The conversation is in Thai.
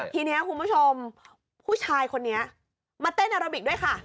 ทีนี้คุณผู้ชมผู้ชายคนนี้มาเต้นอาราบิกด้วยค่ะ